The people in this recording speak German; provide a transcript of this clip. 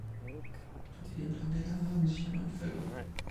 Tuppy und Angela haben sich erneut verlobt.